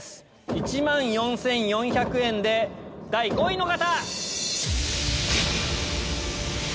１万４４００円で第５位の方！